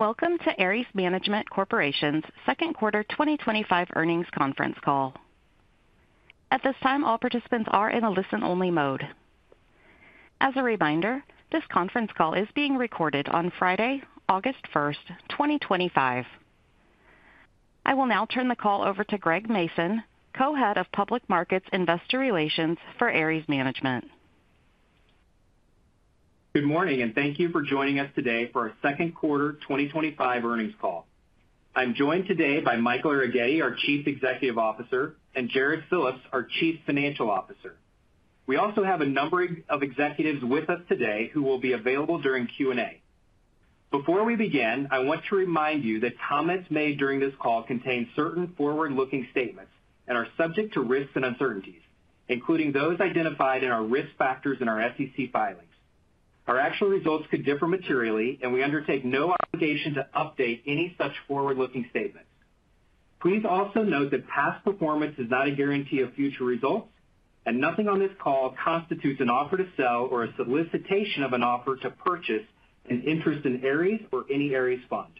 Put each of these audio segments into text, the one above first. Welcome to Ares Management Corporation's Second Quarter 2025 Earnings Conference call. At this time, all participants are in a listen-only mode. As a reminder, this conference call is being recorded on Friday, August 1st, 2025. I will now turn the call over to Greg Mason, Co-Head of Public Markets Investor Relations for Ares Management. Good morning and thank you for joining us today for our Second Quarter 2025 Earnings call. I'm joined today by Michael Arougheti, our Chief Executive Officer, and Jarrod Phillips, our Chief Financial Officer. We also have a number of executives with us today who will be available during Q&A. Before we begin, I want to remind you that comments made during this call contain certain forward-looking statements and are subject to risks and uncertainties, including those identified in our risk factors in our SEC filings. Our actual results could differ materially and we undertake no obligation to update any such forward-looking statements. Please also note that past performance is not a guarantee of future results and nothing on this call constitutes an offer to sell or a solicitation of an offer to purchase an interest in Ares or any Ares fund.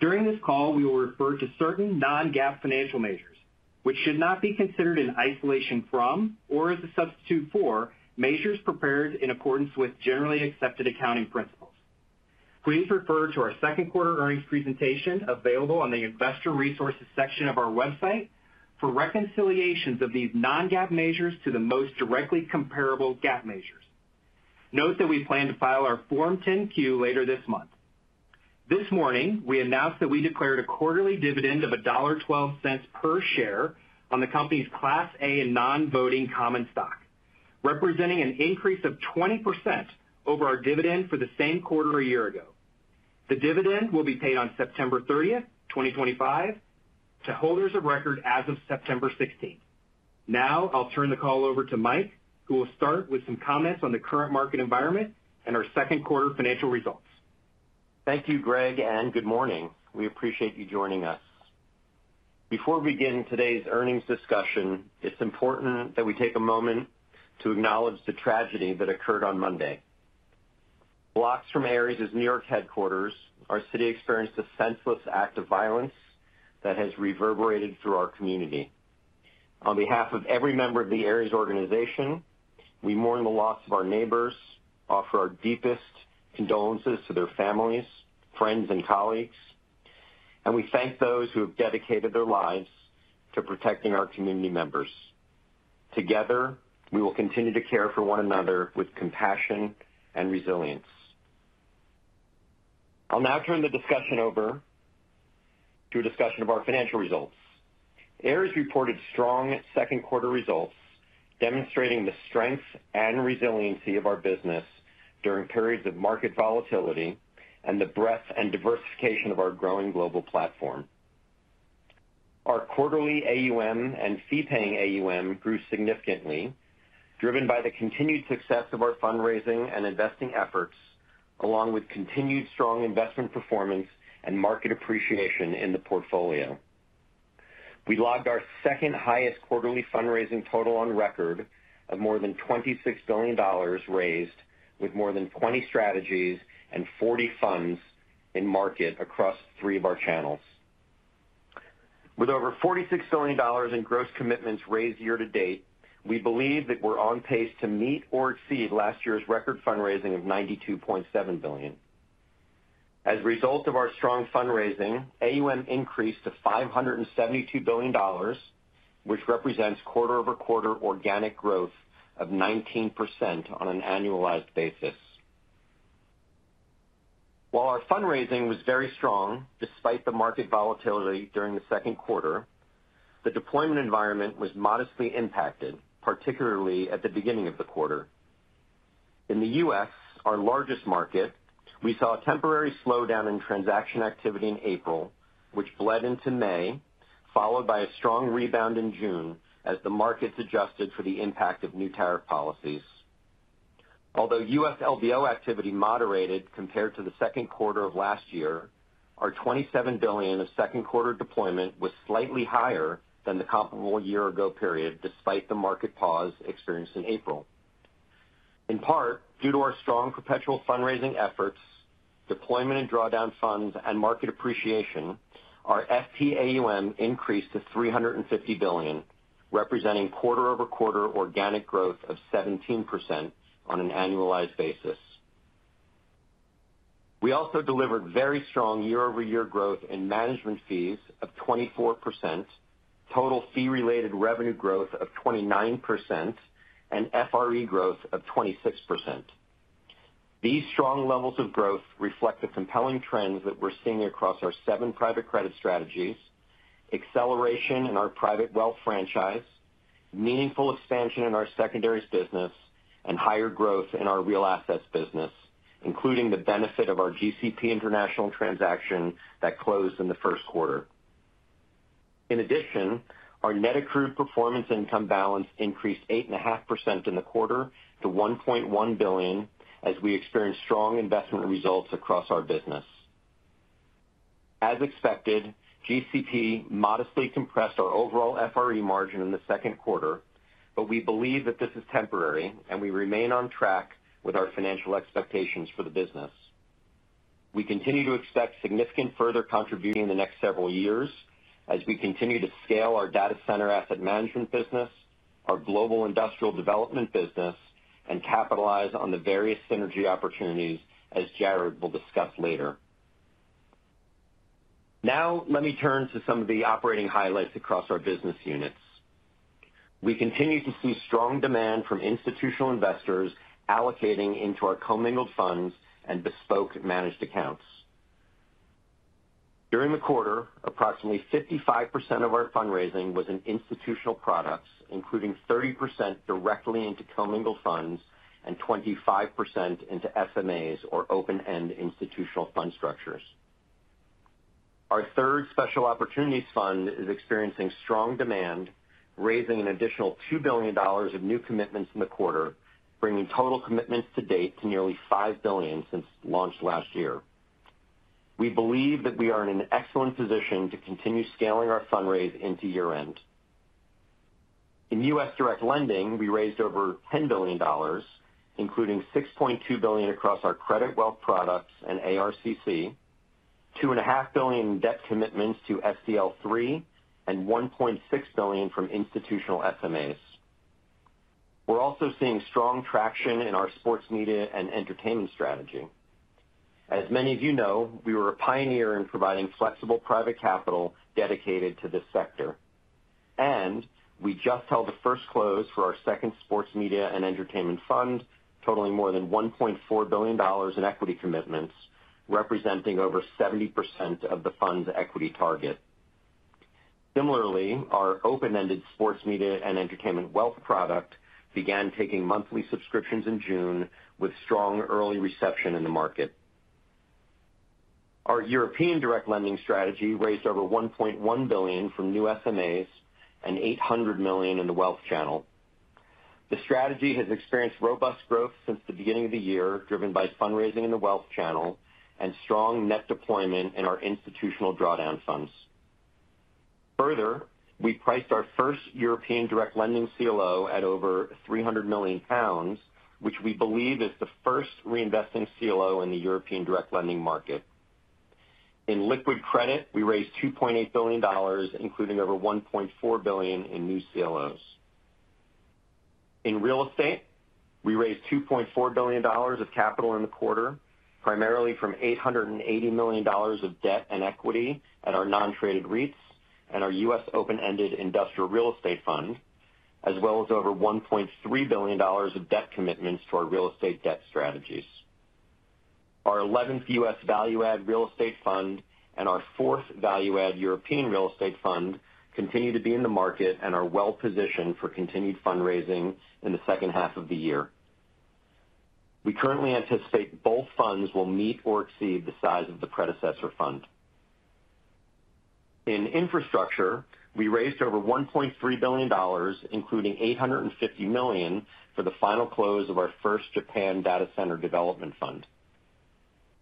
During this call we will refer to certain non-GAAP financial measures which should not be considered in isolation from or as a substitute for measures prepared in accordance with Generally Accepted Accounting Principles. Please refer to our second quarter earnings presentation available on the Investor Resources section of our website for reconciliations of these non-GAAP measures to the most directly comparable GAAP measures. Note that we plan to file our Form 10-Q later this month. This morning we announced that we declared a quarterly dividend of $1.12 per share on the company's Class A and non-voting common stock, representing an increase of 20% over our dividend for the same quarter a year ago. The dividend will be paid on September 30th, 2025 to holders of record as of September 16. Now I'll turn the call over to Mike who will start with some comments on the current market environment and our second quarter financial results. Thank you, Greg, and good morning. We appreciate you joining us. Before we begin today's earnings discussion, it's important that we take a moment to acknowledge the tragedy that occurred on Monday. Blocks from Ares' New York headquarters, our city experienced a senseless act of violence that has reverberated through our community. On behalf of every member of the Ares organization, we mourn the loss of our neighbors, offer our deepest condolences to their families, friends, and colleagues, and we thank those who have dedicated their lives to protecting our community members. Together, we will continue to care for one another with compassion and resilience. I'll now turn the discussion over to a discussion of our financial results. Ares reported strong second quarter results demonstrating the strength and resiliency of our business during periods of market volatility and the breadth and diversification of our growing global platform. Our quarterly AUM and fee-paying AUM grew significantly, driven by the continued success of our fundraising and investing efforts along with continued strong investment performance and market appreciation in the portfolio. We logged our second highest quarterly fundraising total on record of more than $26 billion raised with more than 20 strategies and 40 funds in market across three of our channels. With over $46 billion in gross commitments raised year to date, we believe that we're on pace to meet or exceed last year's record fundraising of $92.7 billion. As a result of our strong fundraising, AUM increased to $572 billion, which represents quarter-over-quarter organic growth of 19% on an annualized basis. While our fundraising was very strong despite the market volatility during the second quarter, the deployment environment was modestly impacted, particularly at the beginning of the quarter. In the U.S., our largest market, we saw a temporary slowdown in transaction activity in April, which bled into May, followed by a strong rebound in June as the markets adjusted for the impact of new tariff policies. Although U.S. LBO activity moderated compared to the second quarter of last year, our $27 billion of second quarter deployment was slightly higher than the comparable year-ago period despite the market pause experienced in April, in part due to our strong perpetual fundraising efforts, deployment in drawdown funds, and market appreciation. Our FP AUM increased to $350 billion, representing quarter over quarter organic growth of 17% on an annualized basis. We also delivered very strong year-over-year growth in management fees of 24%, total fee related revenue growth of 29%, and FRE growth of 26%. These strong levels of growth reflect the compelling trends that we're seeing across our seven private credit strategies, acceleration in our private wealth franchise, meaningful expansion in our secondaries business, and higher growth in our real assets business, including the benefit of our GCP International transaction that closed in the first quarter. In addition, our net accrued performance income balance increased 8.5% in the quarter compared to $1.1 billion as we experienced strong investment results across our business. As expected, GCP modestly compressed our overall FRE margin in the second quarter, but we believe that this is temporary and we remain on track with our financial expectations for the business. We continue to expect significant further contribution in the next several years as we continue to scale our data center asset management business, our global industrial development business, and capitalize on the various synergy opportunities as Jarrod will discuss later. Now let me turn to some of the operating highlights across our business units. We continue to see strong demand from institutional investors allocating into our commingled funds and bespoke managed accounts. During the quarter, approximately 55% of our fundraising was in institutional products, including 30% directly into commingled funds and 25% into SMAs or open end institutional fund structures. Our third special opportunities fund is experiencing strong demand, raising an additional $2 billion of new commitments in the quarter, bringing total commitments to date to nearly $5 billion since launch last year. We believe that we are in an excellent position to continue scaling our fundraise into year end. In U.S. direct lending, we raised over $10 billion, including $6.2 billion across our credit wealth products and ARCC, $2.5 billion in debt commitments to SCL3, and $1.6 billion from institutional SMAs. We're also seeing strong traction in our sports media and entertainment strategy. As many of you know, we were a pioneer in providing flexible private capital dedicated to this sector, and we just held the first close for our second Sports Media and Entertainment Fund totaling more than $1.4 billion in equity commitments, representing over 70% of the fund's equity target. Similarly, our open-ended sports media and entertainment wealth product began taking monthly subscriptions in June with strong early reception in the market. Our European Direct Lending Strategy raised over $1.1 billion from new SMAs and $800 million in the wealth channel. The strategy has experienced robust growth since the beginning of the year, driven by fundraising in the wealth channel and strong net deployment in our institutional drawdown funds. Further, we priced our first European direct lending CLO at over £300 million, which we believe is the first reinvesting CLO in the European direct lending market. In liquid credit, we raised $2.8 billion, including over $1.4 billion in new CLOs. In real estate, we raised $2.4 billion of capital in the quarter, primarily from $880 million of debt and equity at our non-traded REITs and our U.S. open-ended industrial Real Estate Fund, as well as over $1.3 billion of debt commitments to our real estate debt strategies. Our 11th U.S. Value Add Real Estate Fund and our fourth Value Add European Real Estate Fund continue to be in the market and are well positioned for continued fundraising in the second half of the year. We currently anticipate both funds will meet or exceed the size of the predecessor fund. In infrastructure, we raised over $1.3 billion, including $850 million for the final close of our first Japan Data Center Development Fund.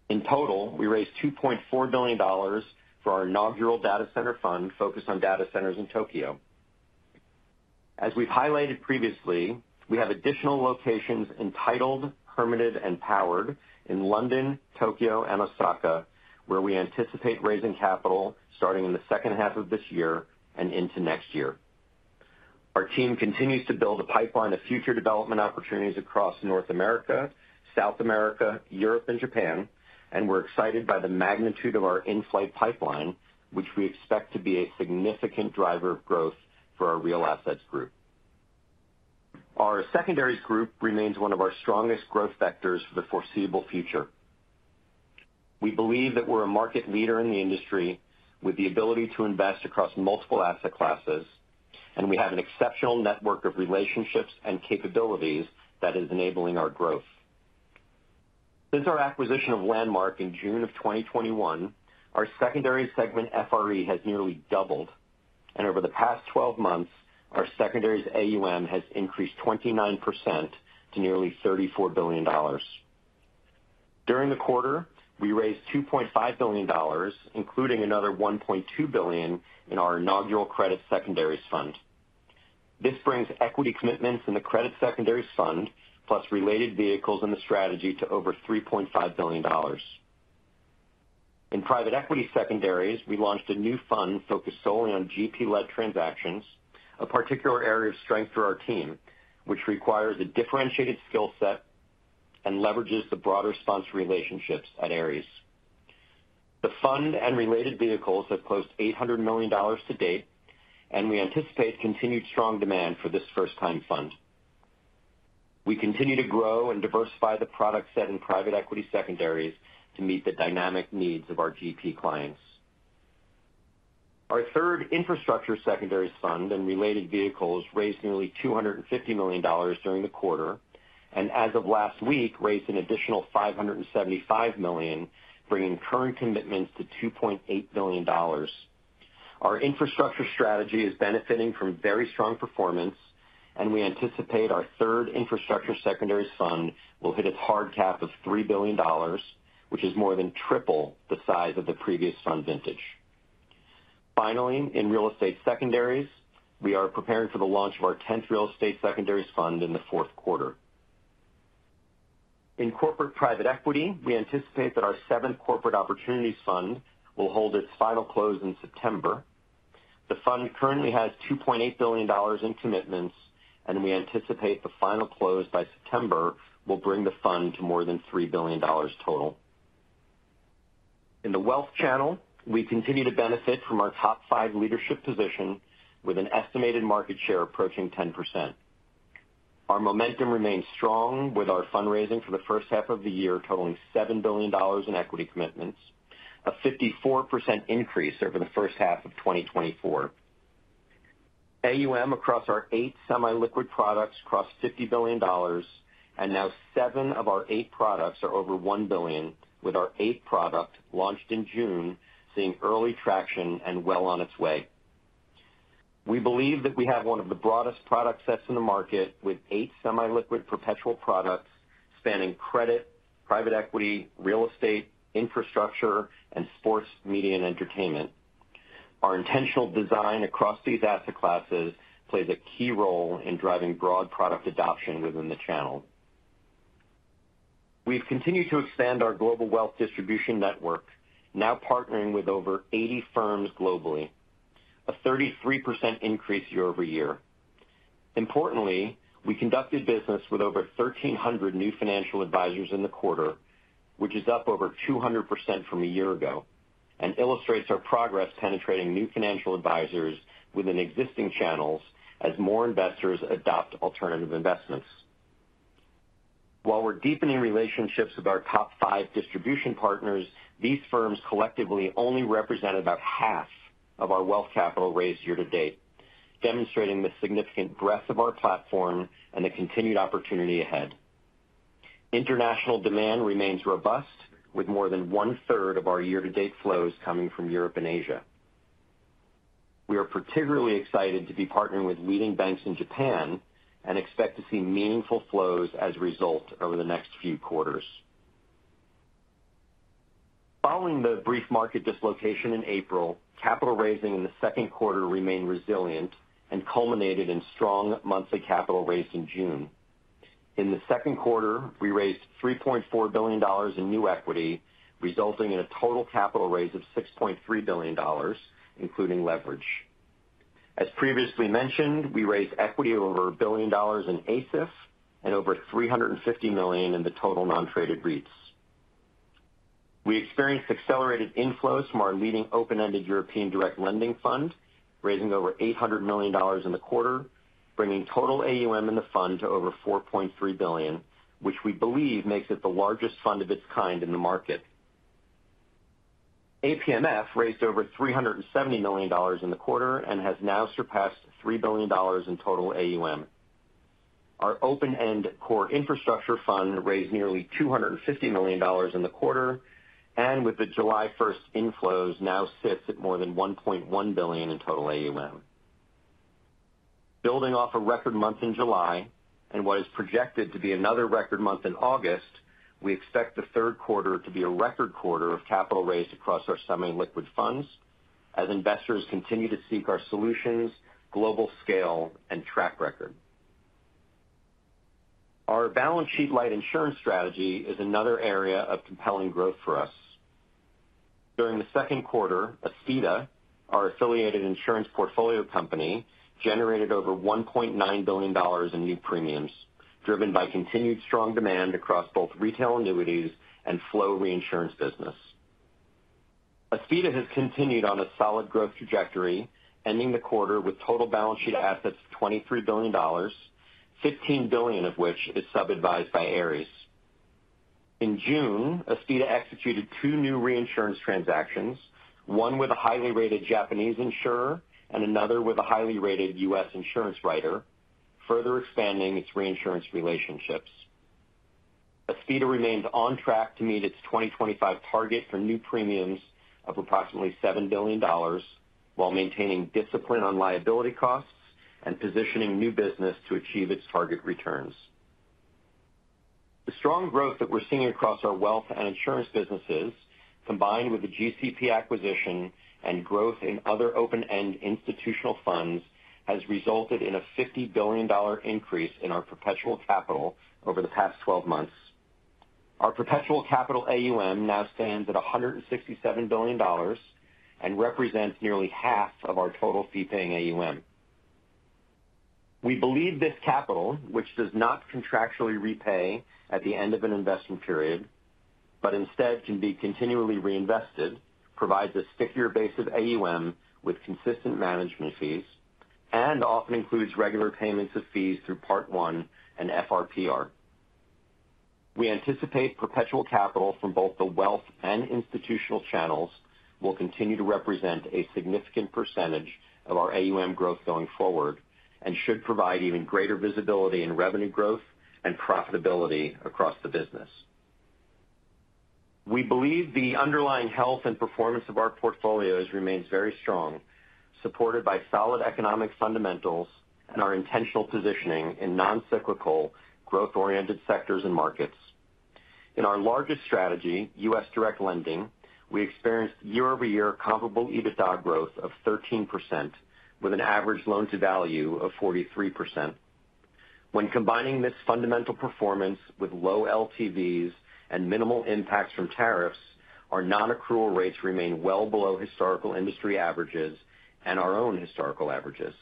In total, we raised $2.4 billion for our inaugural Data Center Fund focused on data centers in Tokyo. As we've highlighted previously, we have additional locations entitled, permitted, and powered in London, Tokyo, and Osaka, where we anticipate raising capital starting in the second half of this year and into next year. Our team continues to build a pipeline of future development opportunities across North America, South America, Europe, and Japan, and we're excited by the magnitude of our in-flight pipeline, which we expect to be a significant driver of growth for our Real Assets Group. Our Secondaries group remains one of our strongest growth vectors for the foreseeable future. We believe that we're a market leader in the industry with the ability to invest across multiple asset classes, and we have an exceptional network of relationships and capabilities that is enabling our growth. Since our acquisition of Landmark in June of 2021, our secondary segment FRE has nearly doubled, and over the past 12 months our secondary AUM has increased 29% to nearly $34 billion. During the quarter, we raised $2.5 billion, including another $1.2 billion in our inaugural Credit Secondaries Fund. This brings equity commitments in the Credit Secondaries Fund plus related vehicles in the strategy to over $3.5 billion. In private equity secondaries, we launched a new fund focused solely on GP-led transactions, a particular area of strength for our team which requires a differentiated skill set and leverages the broader sponsor relationships at Ares. The fund and related vehicles have closed $800 million to date, and we anticipate continued strong demand for this first-time fund. We continue to grow and diversify the product set in private equity secondaries too. Meet the dynamic needs of our GP clients. Our third infrastructure secondaries fund and related vehicles raised nearly $250 million during the quarter, and as of last week raised an additional $575 million, bringing current commitments to $2.8 billion. Our infrastructure strategy is benefiting from very strong performance, and we anticipate our third infrastructure secondaries fund will hit its hard cap of $3 billion, which is more than triple the size of the previous fund vintage. Finally, in real estate secondaries, we are preparing for the launch of our 10th real estate secondaries fund in the fourth quarter. In corporate private equity, we anticipate that our seventh corporate opportunities fund will hold its final close in September. The fund currently has $2.8 billion in commitments, and we anticipate the final close by September. September will bring the fund to more. Than $3 billion total. In the wealth channel, we continue to benefit from our top five leadership position with an estimated market share approaching 10%. Our momentum remains strong with our fundraising for the first half of the year totaling $7 billion in equity commitments, a 54% increase over the first half of 2024. AUM across our eight semi liquid products cost $50 billion and now seven of our eight products are over $1 billion, with our eighth product launched in June seeing early traction and well on its way. We believe that we have one of the broadest product sets in the market with eight semi liquid perpetual products spanning credit, private equity, real estate, infrastructure, and sports media and entertainment. Our intentional design across these asset classes plays a key role in driving broad product adoption within the channel. We've continued to expand our global wealth distribution network, now partnering with over 80 firms globally, a 33% increase year-over-year. Importantly, we conducted business with over 1,300 new financial advisors in the quarter, which is up over 200% from a year ago and illustrates our progress penetrating new financial advisors within existing channels as more investors adopt alternative investments while we're deepening relationships with our top five distribution partners. These firms collectively only represent about half of our wealth capital raised year to date, demonstrating the significant breadth of our platform and the continued opportunity ahead. International demand remains robust with more than one third of our year to date flows coming from Europe and Asia. We are particularly excited to be partnering with leading banks in Japan and expect to see meaningful flows as a result. Over the next few quarters. Following the brief market dislocation in April, capital raising in the second quarter remained resilient and culminated in strong monthly capital raised in June. In the second quarter we raised $3.4 billion in new equity, resulting in a total capital raise of $6.3 billion including leverage. As previously mentioned, we raised equity over $1 billion in ASIF and over $350 million in the total non-traded REITs. We experienced accelerated inflows from our leading open-ended European direct lending fund, raising over $800 million in the quarter, bringing total AUM in the fund to over $4.3 billion, which we believe makes it the largest fund of its kind in the market. APMF raised over $370 million in the quarter and has now surpassed $3 billion in total AUM. Our open-end core infrastructure fund raised nearly $250 million in the quarter, and with the July 1 inflows now sits at more than $1.1 billion in total. AUM. Building off a record month in July and what is projected to be another record month in August, we expect the third quarter to be a record quarter of capital raised across our semi-liquid funds as investors continue to seek our solutions, global scale, and track record. Our balance sheet light insurance strategy is another area of compelling growth for us. During the second quarter, Aspida, our affiliated insurance portfolio company, generated over $1.9 billion in new premiums driven by continued strong demand across both retail annuities and flow reinsurance business. Aspida has continued on a solid growth trajectory, ending the quarter with total balance sheet assets of $23 billion, $15 billion of which is sub-advised by Ares. In June, Aspida executed two new reinsurance transactions, one with a highly rated Japanese insurer and another with a highly rated U.S. insurance writer, further expanding its reinsurance relationships. Aspida remains on track to meet its 2025 target for new premiums of approximately $7 billion while maintaining discipline on liability costs and positioning new business to achieve its target returns. The strong growth that we're seeing across our wealth and insurance businesses combined with the GCP International acquisition and growth in other open-end institutional funds has resulted in a $50 billion increase in our perpetual capital over the past 12 months. Our perpetual capital AUM now stands at $167 billion and represents nearly half of our total fee-paying AUM. We believe this capital, which does not contractually repay at the end of an investment period but instead can be continually reinvested, provides a stickier base of AUM with consistent management fees and often includes regular payments of fees through Part One and FRPR. We anticipate perpetual capital from both the wealth and institutional channels will continue to represent a significant percentage of our AUM growth going forward and should provide even greater visibility in revenue growth and profitability across the business. We believe the underlying health and performance of our portfolio remains very strong, supported by solid economic fundamentals and our intentional positioning in non-cyclical growth-oriented sectors and markets. In our largest strategy, U.S. direct lending, we experienced year-over-year comparable EBITDA growth of 13% with an average loan. To value of 43%. When combining this fundamental performance with low LTVs and minimal impacts from tariffs, our non-accrual rates remain well below historical industry averages and our own historical averages.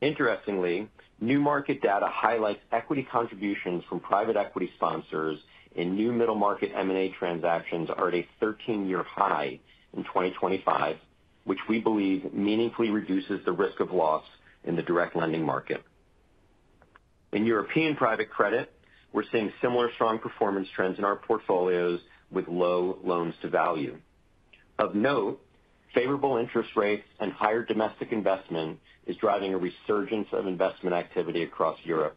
Interestingly, new market data highlights equity contributions from private equity sponsors in new middle market M&A transactions are at a 13-year high in 2025, which we believe meaningfully reduces the risk of loss in the direct lending market. In European private credit, we're seeing similar strong performance trends in our portfolios. With low loans to value of note, favorable interest rates, and higher domestic investment is driving a resurgence of investment activity across Europe.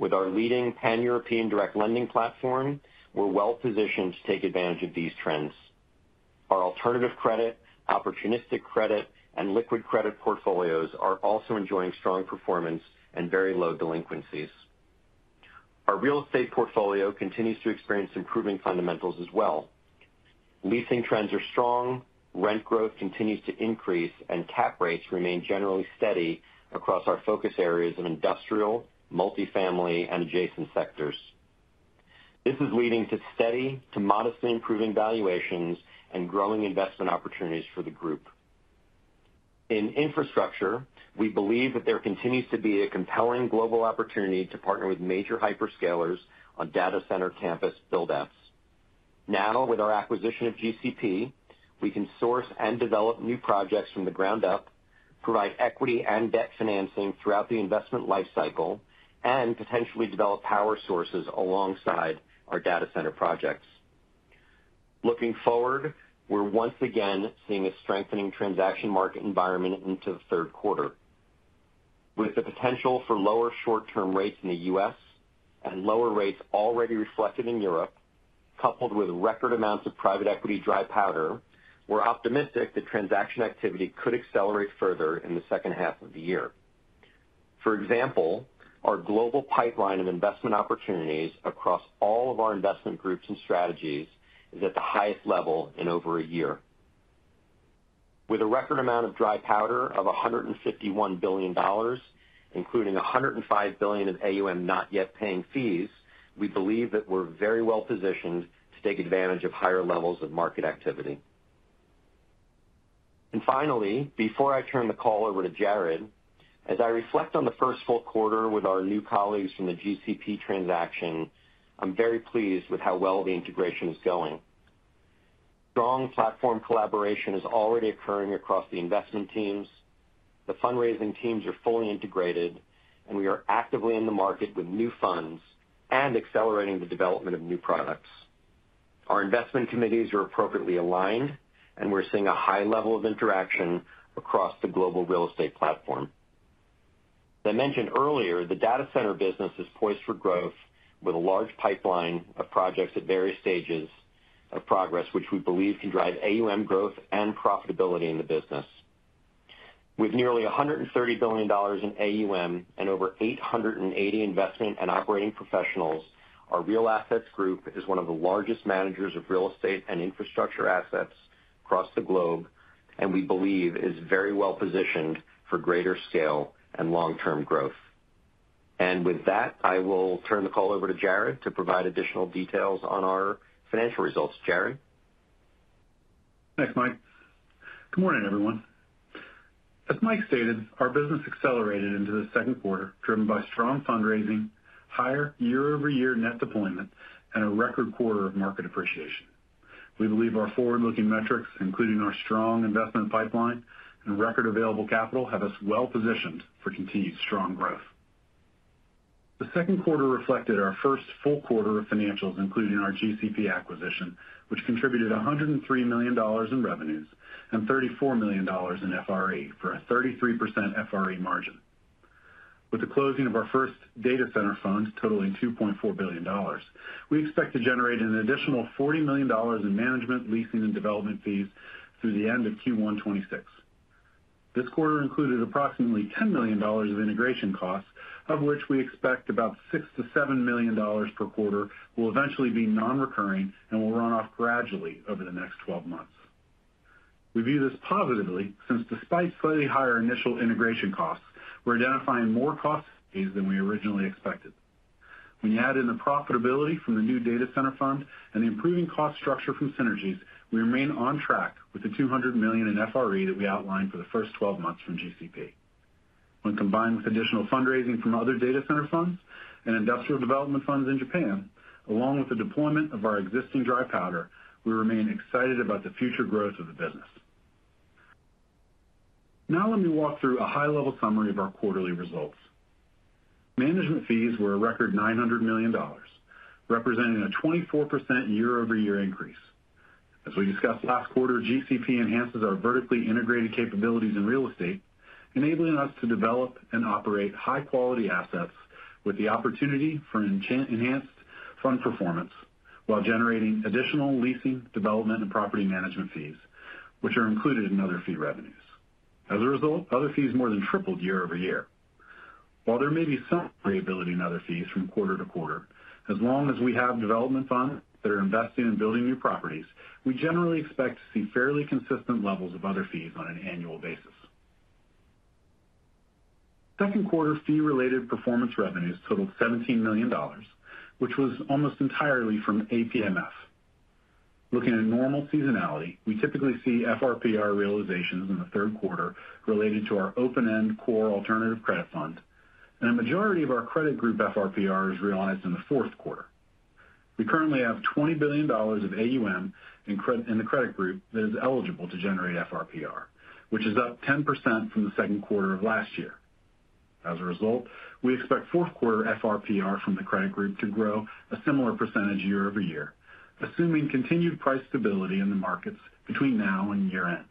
With our leading pan-European direct lending platform, we're well positioned to take advantage of these trends. Our alternative credit, opportunistic credit, and liquid credit portfolios are also enjoying strong performance and very low delinquencies. Our real estate portfolio continues to experience improving fundamentals as well. Leasing trends are strong, rent growth continues to increase, and cap rates remain generally steady across our focus areas of industrial, multifamily, and adjacent sectors. This is leading to steady to modestly improving valuations and growing investment opportunities for the group. In infrastructure, we believe that there continues to be a compelling global opportunity to partner with major hyperscalers on data center campus buildouts. Now, with our acquisition of GCP International, we can source and develop new projects from the ground up, provide equity and debt financing throughout the investment life cycle, and potentially develop power sources alongside our data center projects. Looking forward, we're once again seeing a strengthening transaction market environment into the third quarter. With the potential for lower short-term rates in the U.S. and lower rates already reflected in Europe, coupled with record amounts of private equity dry powder, we're optimistic that transaction activity could accelerate further in the second half of the year. For example, our global pipeline of investment opportunities across all of our investment groups and strategies is at the highest level in over a year. With a record amount of dry powder of $151 billion, including $105 billion of AUM not yet paying fees, we believe that we're very well positioned to take advantage of higher levels of market activity. Finally, before I turn the call over to Jarrod, as I reflect on the first full quarter with our new colleagues from the GCP International transaction, I'm very pleased with how well the integration is going. Strong platform collaboration is already occurring across the investment teams, the fundraising teams are fully integrated, and we are actively in the market with new funds and accelerating the development of new products. Our investment committees are appropriately aligned, and we're seeing a high level of interaction across the global real estate platform. As I mentioned earlier, the data center business is poised for growth with a large pipeline of projects at various stages of progress, which we believe can drive AUM growth and profitability in the business. With nearly $130 billion in AUM and over 880 investment and operating professionals, our Real Assets Group is one of the largest managers of real estate and infrastructure assets across the globe, and we believe is very well positioned for greater scale. Long term growth. With that, I will turn the call over to Jarrod to provide additional details on our financial results. Jarrod. Thanks Mike. Good morning everyone. As Mike stated, our business accelerated into the second quarter driven by strong fundraising, higher year-over-year net deployment, and a record quarter of market appreciation. We believe our forward looking metrics, including our strong investment pipeline and record available capital, have us well positioned for continued strong growth. The second quarter reflected our first full quarter of financials including our GCP International acquisition, which contributed $103 million in revenues and $34 million in FRE for a 33% FRE margin. With the closing of our first data center fund totaling $2.4 billion, we expect to generate an additional $40 million in management, leasing, and development fees through the end of Q1 2026. This quarter included approximately $10 million of integration costs, of which we expect about $6 to $7 million per quarter will eventually be non-recurring and will run off gradually over the next 12 months. We view this positively since, despite slightly higher initial integration costs, we're identifying more cost than we originally expected. When you add in the profitability from the new data center fund and the improving cost structure from synergies, we remain on track with the $200 million in FRE that we outlined for the first 12 months from GCP International. When combined with additional fundraising from other data center funds and industrial development funds in Japan, along with the deployment of our existing dry powder, we remain excited about the future growth of the business. Now let me walk through a high level summary of our quarterly results. Management fees were a record $900 million, representing a 24% year-over-year increase. As we discussed last quarter, GCP International enhances our vertically integrated capabilities in real estate, enabling us to develop and operate high quality assets with the opportunity for enhanced fund performance while generating additional leasing, development, and property management fees, which are included in other fee revenues. As a result, other fees more than tripled year-over-year. While there may be some variability in other fees from quarter to quarter, as long as we have development funds that are investing in building new properties, we generally expect to see fairly consistent levels of other fees on an annual basis. Second quarter fee related performance revenues totaled $17 million, which was almost entirely from APMF. Looking at normal seasonality, we typically see FRPR realizations in the third quarter related to our Open End Core Alternative Credit fund, and a majority of our credit group FRPR is realized in the fourth quarter. We currently have $20 billion of AUM in the credit group that is eligible to generate FRPR, which is up 10% from the second quarter of last year. As a result, we expect fourth quarter FRPR from the credit group to grow a similar percentage year-over-year, assuming continued price stability in the markets between now and year end.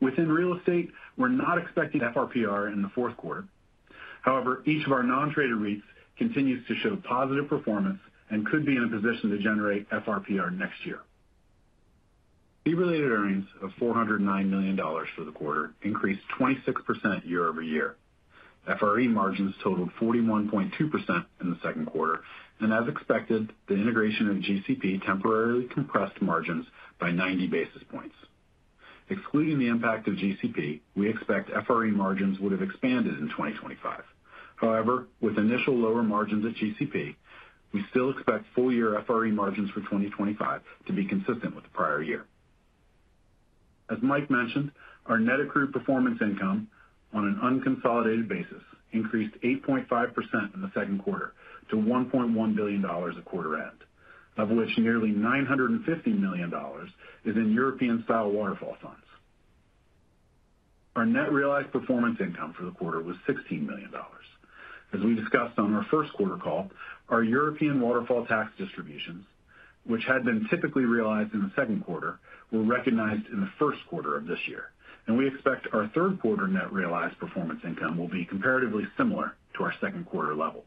Within real estate, we're not expecting FRPR in the fourth quarter. However, each of our non-traded REITs continues to show positive performance and could be in a position to generate FRPR next year. Fee related earnings of $409 million for the quarter increased 26% year-over-year. FRE margins totaled 41.2% in the second quarter, and as expected, the integration of GCP temporarily compressed margins by 90 basis points. Excluding the impact of GCP, we expect FRE margins would have expanded in 2025. However, with initial lower margins at GCP, we still expect full year FRE margins for 2025 to be consistent with the prior year. As Mike mentioned, our net accrued performance income on an unconsolidated basis increased 8.5% in the second quarter to $1.1 billion at quarter end, of which nearly $950 million is in European style waterfall funds. Our net realized performance income for the quarter was $16 million. As we discussed on our first quarter call, our European waterfall tax distributions, which had been typically realized in the second quarter, were recognized in the first quarter of this year, and we expect our third quarter net realized performance income will be comparatively similar to our second quarter level.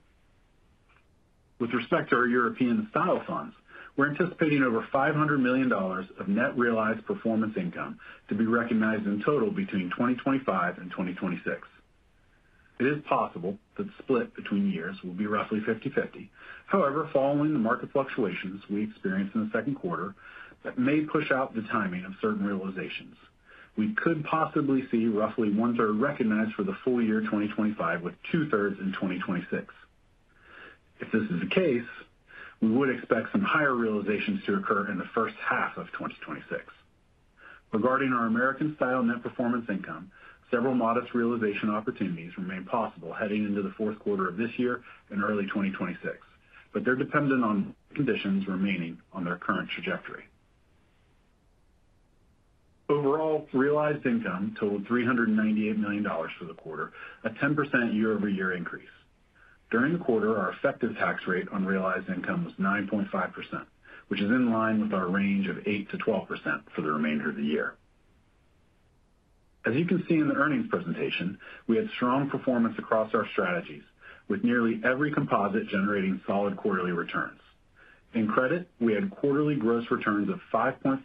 With respect to our European style funds, we're anticipating over $500 million of net realized performance income to be recognized in total between 2025 and 2026. It is possible that split between years will be roughly 50/50. However, following the market fluctuations we experienced in the second quarter, that may push out the timing of certain realizations. We could possibly see roughly one third recognized for the full year 2025 with two thirds in 2026. If this is the case, we would expect some higher realizations to occur in the first half of 2026. Regarding our American style net performance income, several modest realization opportunities remain possible heading. Into the fourth quarter of this year. Early 2026, but they're dependent on conditions remaining on their current trajectory. Overall, realized income totaled $398 million for the quarter, a 10% year-over-year increase during the quarter. Our effective tax rate on realized income was 9.5%, which is in line with our range of 8% to 12% for the remainder of the year. As you can see in the earnings presentation, we had strong performance across our strategies with nearly every composite generating solid quarterly returns in credit. We had quarterly gross returns of 5.5%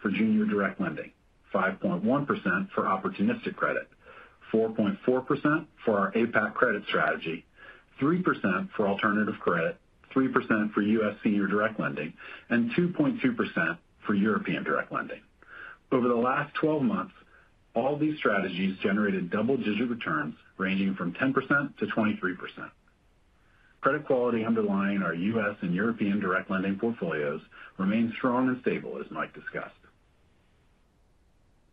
for junior direct lending, 5.1% for opportunistic credit, 4.4% for our APAC credit strategy, 3% for alternative credit, 3% for U.S. senior direct lending, and 2.2% for European direct lending. Over the last 12 months, all these strategies generated double-digit returns ranging from 10% to 23%. Credit quality underlying our U.S. and European direct lending portfolios remains strong and stable. As Mike discussed,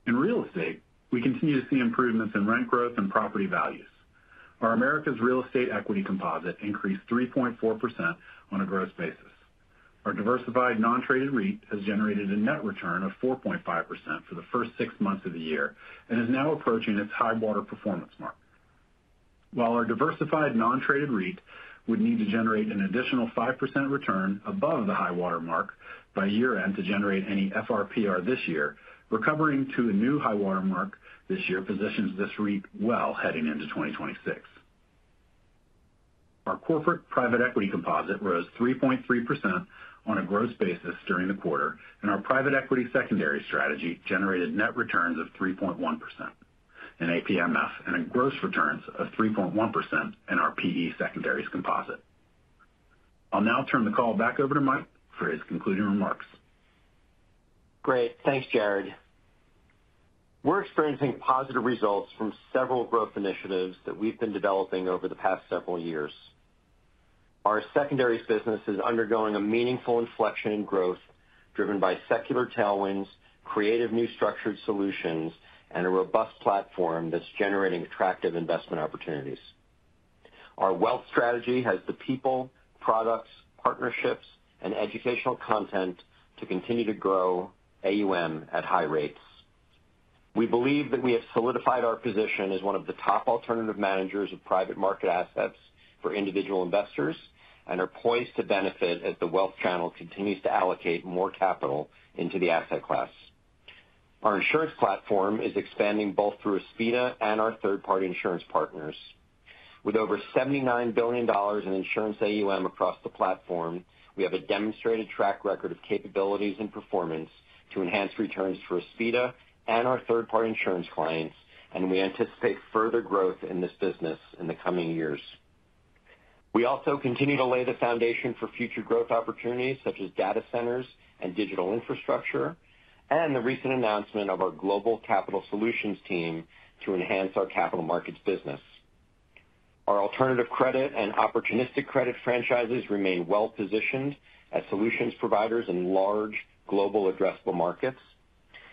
in real estate, we continue to see improvements in rent growth and property values. Our Americas real estate equity composite increased 3.4% on a gross basis. Our diversified non-traded REIT has generated a net return of 4.5% for the first six months of the year and is now approaching its high water performance mark, while our diversified non-traded REIT would need to generate an additional 5% return above the high water mark by year end to generate any FRPR this year. Recovering to a new high water mark this year positions this REIT well heading into 2026. Our corporate private equity composite rose 3.3% on a gross basis during the quarter, and our private equity secondary strategy generated net returns of 3.1% in APMF and gross returns of 3.1% in our PE secondaries composite. I'll now turn the call back over to Mike for his concluding remarks. Great. Thanks Jarrod. We're experiencing positive results from several growth initiatives that we've been developing over the past several years. Our secondaries business is undergoing a meaningful inflection in growth, driven by secular tailwinds, creative new structured solutions, and a robust platform that's generating attractive investment opportunities. Our wealth strategy has the people, products, partnerships, and educational content to continue to. Grow AUM at high rates. We believe that we have solidified our position as one of the top alternative managers of private market assets for individual investors and are poised to benefit as the wealth channel continues to allocate more capital into the asset class. Our insurance platform is expanding both through Aspida and our third party insurance partners. With over $79 billion in insurance AUM across the platform, we have a demonstrated track record of capabilities and performance to enhance returns for Aspida and our third party insurance clients, and we anticipate further growth in this business in the coming years. We also continue to lay the foundation for future growth opportunities such as data centers and digital infrastructure and the recent announcement of our Global Capital Solutions team to enhance our capital markets business. Our alternative credit and opportunistic credit franchises remain well positioned as solutions providers in large global addressable markets,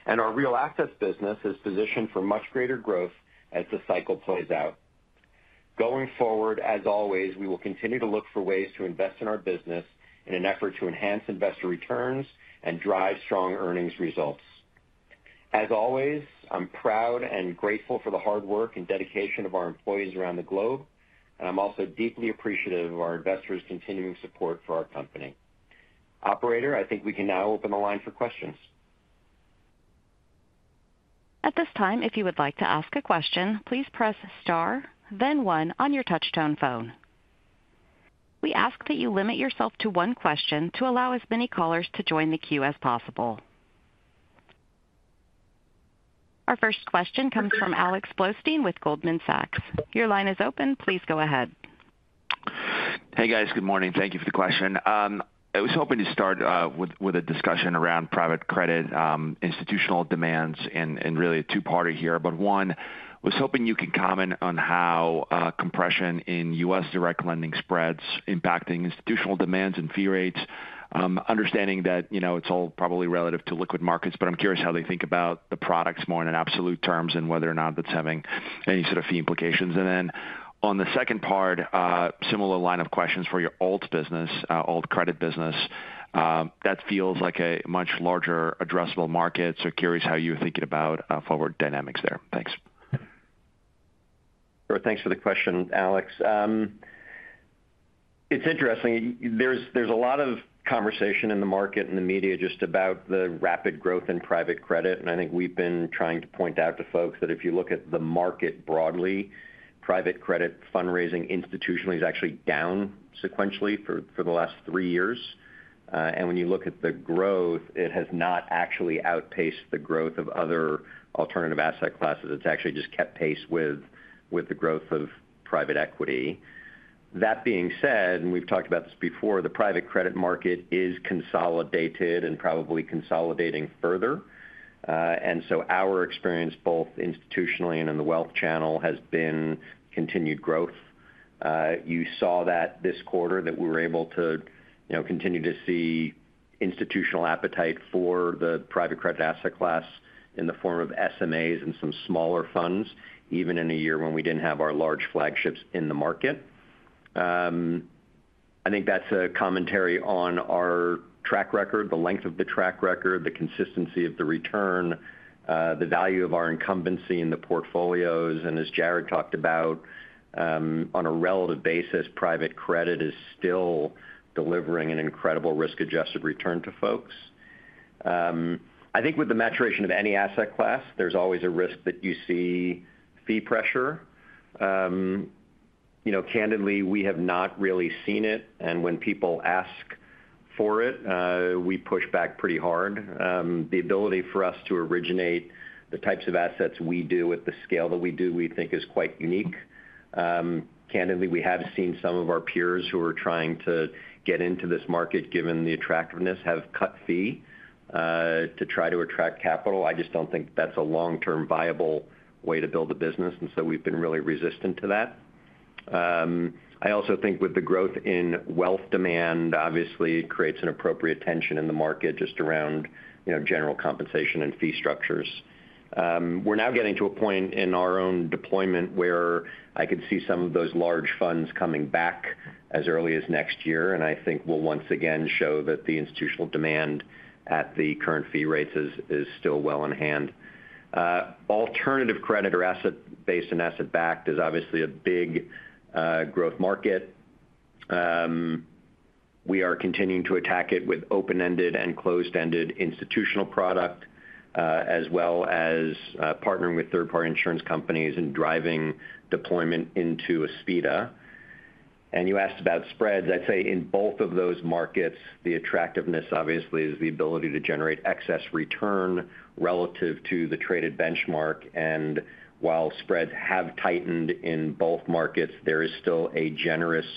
and our real estate business is positioned for much greater growth as the cycle plays out going forward. As always, we will continue to look for ways to invest in our business in an effort to enhance investor returns and drive strong earnings results. As always, I'm proud and grateful for the hard work and dedication of our employees around the globe, and I'm also deeply appreciative of our investors' continuing support for our company. Operator, I think we can now open the line for questions. At this time, if you would like to ask a question, please press star then one on your touchtone phone. We ask that you limit yourself to one question to allow as many callers to join the queue as possible. Our first question comes from Alex Blostein with Goldman Sachs. Your line is open. Please go ahead. Hey guys, good morning. Thank you for the question. I was hoping to start with a discussion around private credit institutional demands and really a two parter here, but one was hoping you could comment on how compression in U.S. direct lending spreads impacting institutional demands and fee rates, understanding that it's all probably relative to liquid markets, but I'm curious how they think about the products more in absolute terms and whether or not that's having any sort of fee implications. On the second part, similar line of questions for your old business alt credit business that feels like a much larger addressable market. Curious how you're thinking about forward dynamics there. Thanks for the question, Alex. It's interesting, there's a lot of conversation in the market and the media just about the rapid growth in private credit. I think we've been trying to point out to folks that if you look at the market broadly, private credit fundraising institutionally is actually down sequentially for the last three years. When you look at the growth, it has not actually outpaced the growth of other alternative asset classes. It's actually just kept pace with the growth of private equity. That being said, we've talked about this before, the private credit market is consolidated and probably consolidating further. Our experience both institutionally and in the wealth channel has been continued growth. You saw that this quarter that we were able to continue to see institutional appetite for the private credit asset class in the form of SMAs and some smaller funds, even in a year when we didn't have our large flagships in the market. I think that's a commentary on our track record, the length of the track record, the consistency of the return, the value of our incumbency in the portfolios. As Jarrod talked about on a relative basis, private credit is still delivering an incredible risk adjusted return to folks. I think with the maturation of any asset class there's always a risk that. You see fee pressure. You know, candidly we have not really seen it, and when people ask for it, we push back pretty hard. The ability for us to originate the types of assets we do at the scale that we do, we think is quite unique. Candidly, we have seen some of our peers who are trying to get into this market, given the attractiveness, have cut fee to try to attract capital. I just don't think that's a long-term viable way to build a business, and we've been really resistant to that. I also think with the growth in wealth demand, obviously it creates an appropriate tension in the market just around general compensation and fee structures. We're now getting to a point in our own deployment where I could see some of those large funds coming back as early as next year, and I think we'll once again show that the institutional demand at the current fee rates is still well in hand. Alternative credit or asset-based and asset-backed is obviously a big growth market. We are continuing to attack it with open-ended and closed-ended institutional product as well as partnering with third-party insurance companies and driving deployment into Aspida. You asked about spreads. I'd say in both of those markets the attractiveness obviously is the ability to generate excess return relative to the traded benchmark. While spreads have tightened in both markets, there is still a generous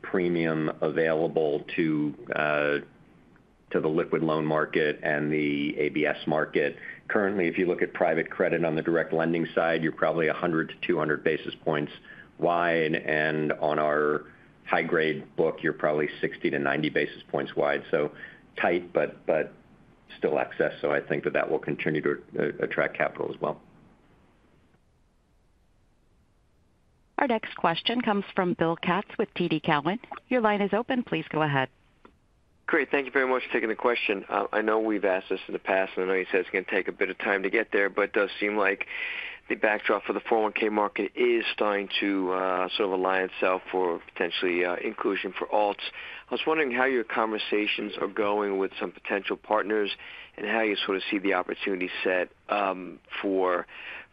premium available to the liquid loan market and the ABS market. Currently, if you look at private credit on the direct lending side, you're probably 100 to 200 basis points wide, and on our high grade book, you're probably 60 to 90 basis points wide. Tight but still excess. I think that will continue to attract capital as well. Our next question comes from Bill Katz with TD Cowen. Your line is open. Please go ahead. Great. Thank you very much for taking the question. I know we've asked this in the past and I know you said it's going to take a bit of time to get there, but it does seem like the backdrop for the 401 market is starting to sort of align itself for potentially inclusion for alts. I was wondering how your conversations are going with some potential partners and how you sort of see the opportunity set for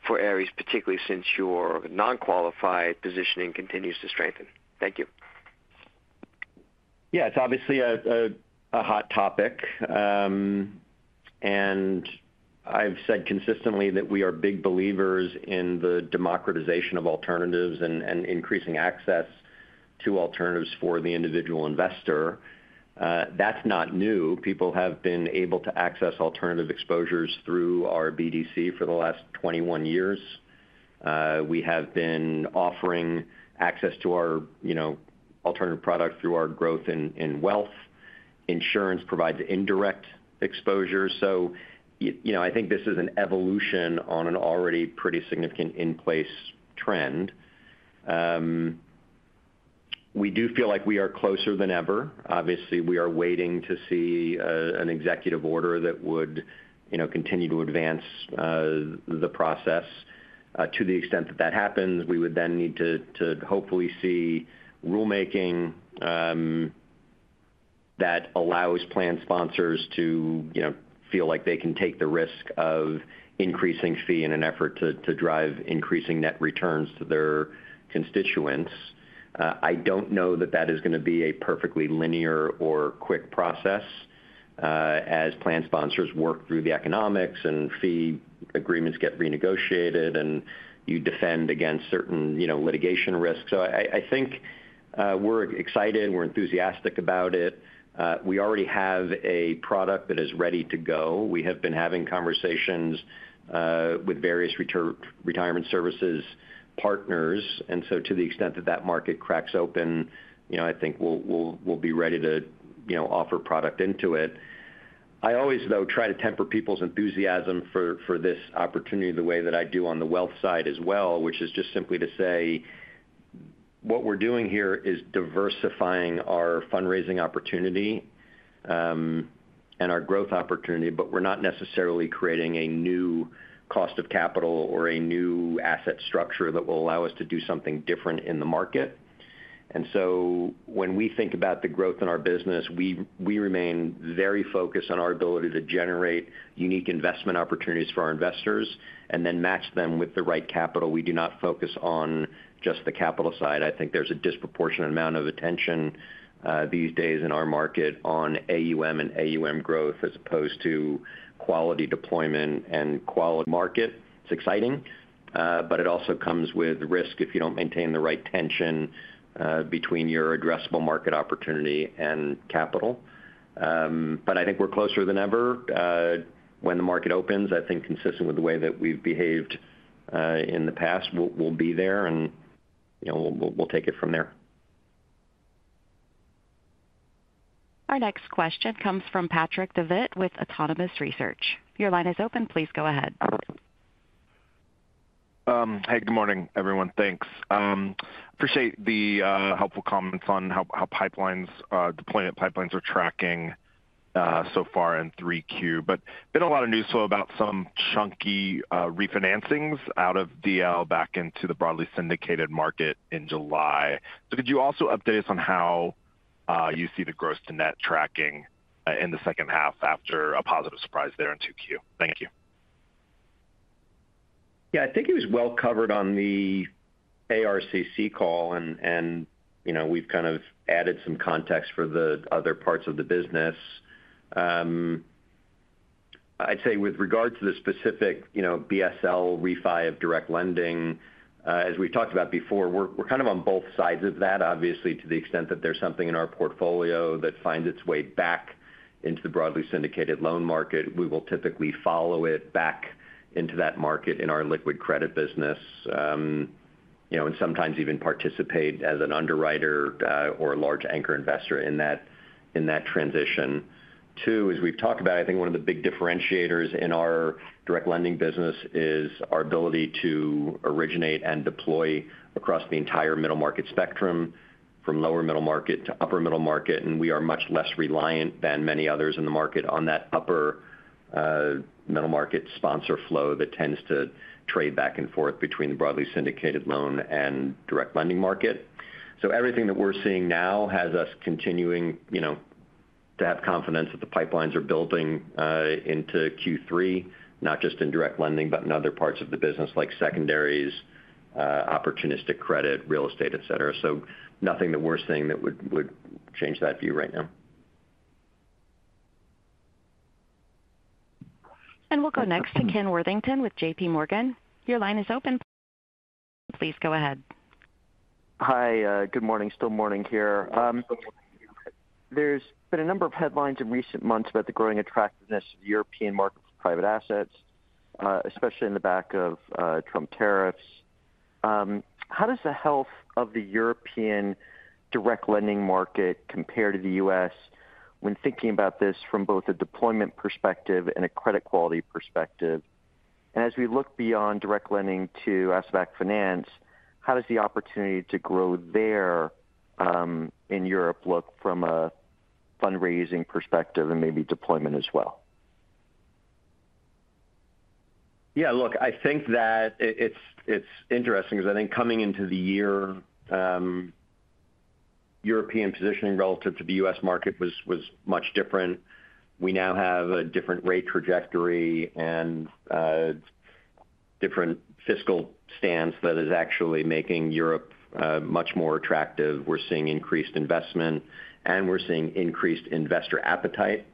Ares, particularly since your non qualified positioning continues to strengthen. Thank you. Yeah, it's obviously a hot topic. And. I've said consistently that we are big believers in the democratization of alternatives and increasing access to alternatives for the individual investor. That's not new. People have been able to access alternative exposures through our BDC for the last 21 years. We have been offering access to our, you know, alternative product through our growth in wealth. Insurance provides indirect exposure. I think this is an evolution on an already pretty significant in-place trend. We do feel like we are closer than ever. Obviously, we are waiting to see an executive order that would continue to advance the process. To the extent that that happens, we would then need to hopefully see rulemaking that allows plan sponsors to feel like they can take the risk of increasing fee in an effort to drive increasing net returns to their constituents. I don't know that that is going to be a perfectly linear or quick process as plan sponsors work through the economics and fee agreements get renegotiated and you defend against certain litigation risks. I think we're excited, we're enthusiastic about it. We already have a product that is ready to go. We have been having conversations with various retirement services partners. To the extent that that market cracks open, I think we'll be ready to offer product into it. I always try to temper people's enthusiasm for this opportunity the way that I do on the wealth side as well, which is just simply to say what we're doing here is diversifying our fundraising opportunity and our growth opportunity. We're not necessarily creating a new cost of capital or a new asset structure that will allow us to do something different in the market. When we think about the growth in our business, we remain very focused on our ability to generate unique investment opportunities for our investors and then match them with the right capital. We do not focus on just the capital side. I think there's a disproportionate amount of attention these days in our market on AUM and AUM growth as opposed to quality deployment and quality market. It's exciting, but it also comes with risk if you don't maintain the right tension between your addressable market opportunity and capital. I think we're closer than ever when the market opens. I think consistent with the way that we've behaved in the past, we'll be there and we'll take it from there. Our next question comes from Patrick Davitt with Autonomous Research. Your line is open. Please go ahead. Hey, good morning everyone. Thanks, appreciate the helpful comments on how pipelines, deployment pipelines are tracking so far in 3Q. There's been a lot of news flow about some chunky refinancings out of direct lending back into the broadly syndicated market in July. Could you also update us on how you see the gross to net tracking in the second half after a positive surprise there in two? Q. Thank you. I think it was well covered on the ARCC call, and we've kind of added some context for the other parts of the business. I'd say with regard to the specific. BSL refi of direct lending, as we've talked about before, we're kind of on both sides of that. Obviously, to the extent that there's something in our portfolio that finds its way back into the broadly syndicated loan market, we will typically follow it back into that market in our liquid credit business and sometimes even participate as an underwriter or a large anchor investor in that transition too. As we've talked about, I think one of the big differentiators in our direct lending business is our ability to originate and deploy across the entire middle market spectrum, from lower middle market to upper middle market. We are much less reliant than many others in the market on that upper middle market sponsor flow that tends to trade back and forth between the broadly syndicated loan and direct lending market. Everything that we're seeing now has us continuing to have confidence that the pipelines are building into Q3, not just in direct lending, but in other parts of the business like secondaries, opportunistic credit, real estate, et cetera. Nothing the worst thing that would change that view right now. We will go next to Ken Worthington with JPMorgan. Your line is open. Please go ahead. Hi, good morning. Still morning here. There's been a number of headlines in recent months about the growing attractiveness of the European market for private assets, especially on the back of Trump tariffs. How does the health of the European? direct lending market compare to the U.S. when thinking about this from both a deployment perspective and a credit quality perspective? As we look beyond direct lending to asset-backed finance, how does the opportunity to grow there in Europe look from a fundraising perspective and maybe deployment as well? Yeah, I think that it's interesting. Because I think coming into the year, European positioning relative to the U.S. market was much different. We now have a different rate trajectory and different fiscal stance that is actually making Europe much more attractive. We're seeing increased investment, and we're seeing increased investor appetite.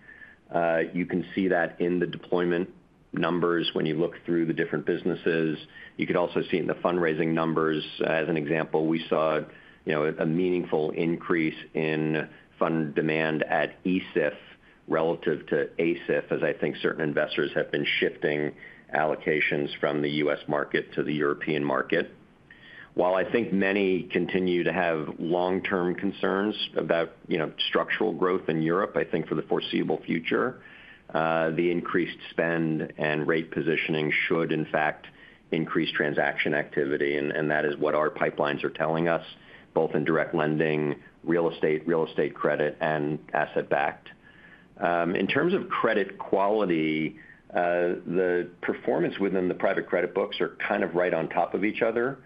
You can see that in the deployment numbers when you look through the different businesses. You could also see in the fundraising numbers, as an example, we saw a meaningful increase in fund demand at ESIF relative to ASIF, as I think certain investors have been shifting allocations from the U.S. market to the European market. While I think many continue to have long-term concerns about structural growth in Europe, I think for the foreseeable future the increased spend and rate positioning should in fact increase transaction activity. That is what our pipelines are telling us both in direct lending, real estate, credit, and asset backed. In terms of credit quality, the performance within the private credit books are kind of right on top of each other.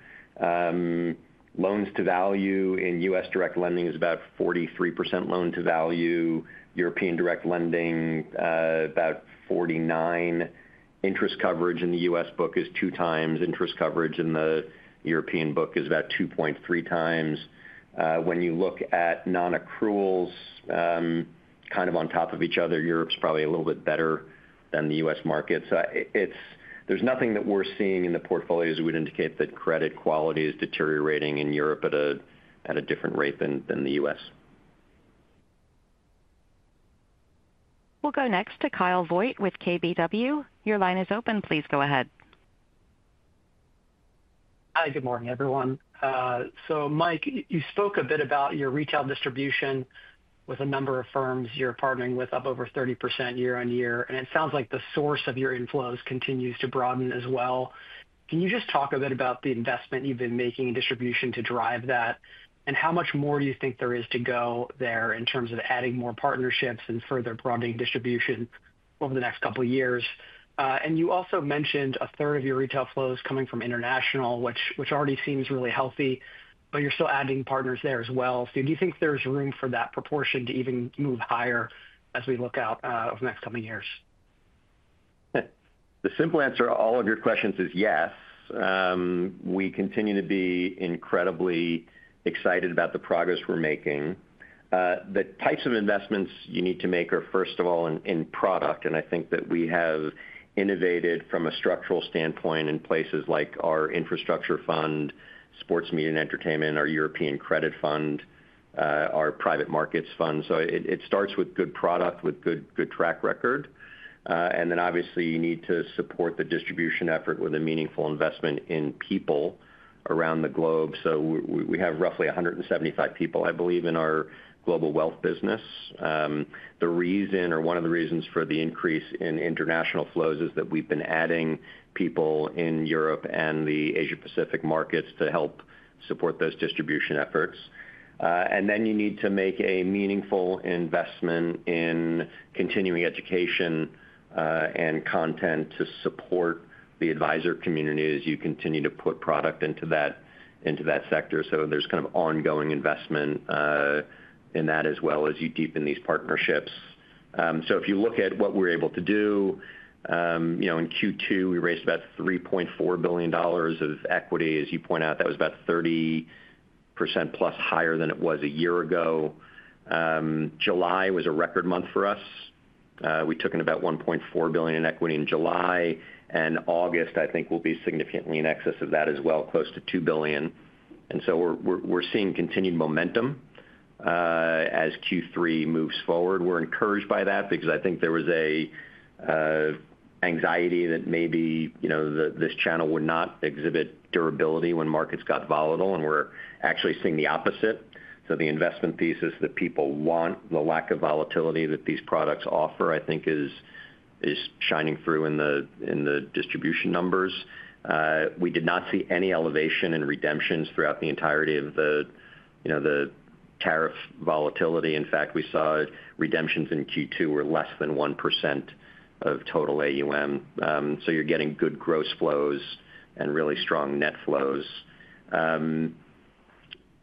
Loans to value in U.S. direct lending is about 43% loan to value. European direct lending about 49%. Interest coverage in the U.S. book is 2 times. Interest coverage in the European book is about 2.3 times. When you look at non-accruals, kind of on top of each other, Europe's probably a little bit better than the U.S. market. There is nothing that we're seeing in the portfolios that would indicate that credit quality is deteriorating in Europe at a different rate than the U.S. We'll go next to Kyle Voigt with KBW. Your line is open. Please go ahead. Hi, good morning everyone. Mike, you spoke a bit about your retail distribution with a number of firms you're partnering with up over 30% year on year. It sounds like the source of your inflows continues to broaden as well. Can you just talk a bit about the investment you've been making in distribution to drive that and how much more do you think there is to go there in terms of adding more partnerships and further broadening distribution over the next couple of years? You also mentioned a third of your retail flows coming from international, which already seems really healthy, but you're still adding partners there as well. Do you think there's room for that proportion to even move higher as we look out over the next coming years? The simple answer to all of your questions is yes. We continue to be incredibly excited about the progress we're making. The types of investments you need to make are first of all in product. I think that we have innovated from a structural standpoint in places like our infrastructure fund, sports media and entertainment, our European Credit fund, our private markets fund. It starts with good product, with good track record. Obviously you need to support the distribution effort with a meaningful investment in people around the globe. We have roughly 175 people, I believe, in our global wealth business. The reason or one of the reasons for the increase in international flows is that we've been adding people in Europe and the Asia Pacific markets to help support those distribution efforts. You need to make a meaningful investment in continuing education and content to support the advisor community as you continue to put product into that sector. There's ongoing investment in that as well as you deepen these partnerships. If you look at what we're able to do in Q2, we raised about $3.4 billion of equity. As you point out, that was about 30% plus higher than it was a year ago. July was a record month for us. We took in about $1.4 billion in equity in July and August. I think we'll be significantly in excess of that as well, close to $2 billion. We're seeing continued momentum as Q3 moves forward. We're encouraged by that because I think there was an anxiety that maybe this channel would not exhibit durability when markets got volatile. We're actually seeing the opposite. The investment thesis that people want, the lack of volatility that these products offer, I think is shining through in the distribution numbers. We did not see any elevation in redemptions throughout the entirety of the tariff volatility. In fact, we saw redemptions in Q2 were less than 1% of total AUM. You're getting good gross flows and really strong net flows.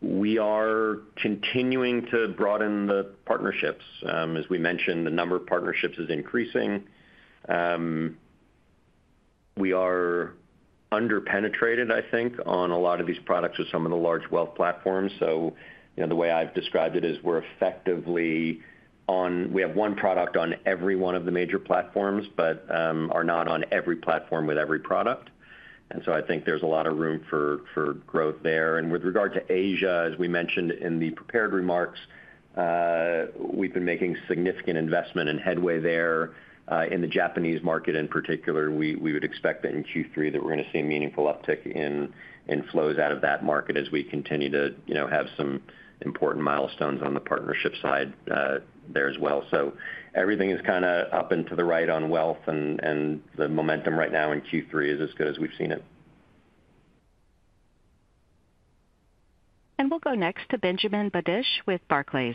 We are continuing to broaden the partnerships as we mentioned, the number of partnerships is increasing. We are underpenetrated, I think, on a lot of these products with some of the large wealth platforms. The way I've described it is we're effectively on. We have one product on every one of the major platforms but are not on every platform with every product. I think there's a lot of room for growth there. With regard to Asia, as we mentioned in the prepared remarks, we've been making significant investment in headway there in the Japanese market in particular. We would expect that in Q3 we're going to see a meaningful uptick in inflows out of that market as we continue to have some important milestones on the partnership side there as well. Everything is kind of up and to the right on wealth, and the momentum right now in Q3 is as good as we've seen it. We will go next to Benjamin Badish with Barclays.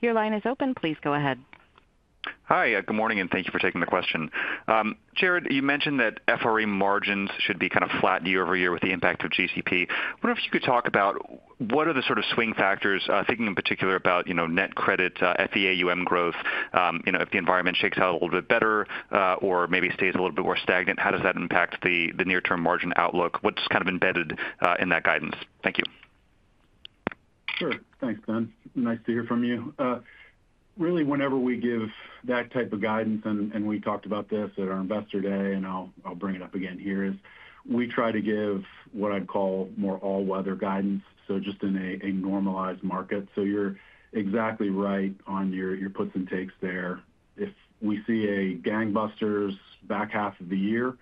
Your line is open. Please go ahead. Hi, good morning, and thank you for taking the question. Jarrod, you mentioned that fee margins should. Be kind of flat year-over-year with the impact of GCP International. I wonder if you could talk about what are the sort of swing factors. Thinking in particular about net credit, fee. Growth, you know, if the environment. Shakes out a little bit better. Maybe stays a little bit more stagnant, how does that impact the near term margin outlook? What's kind of embedded in that guidance? Thank you. Sure. Thanks, Ben. Nice to hear from you. Really, whenever we give that type of guidance, and we talked about this at our investor day, and I'll bring it up again here, we try to give what I'd call more all-weather guidance, just in a normalized market. You're exactly right on your puts and takes there. If we see a gangbusters back half of the year,